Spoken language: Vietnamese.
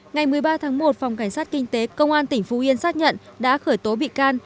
ngày một mươi ba tháng một phòng cảnh sát kinh tế công an tỉnh phú yên xác nhận đã khởi tố bị can